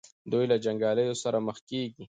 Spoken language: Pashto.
دوی له جنګیالیو سره مخ کیږي.